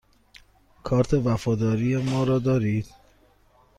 کارت وفاداری ما را دارید؟